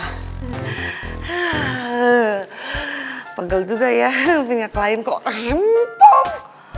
heeeh pegel juga ya punya klien kok rempong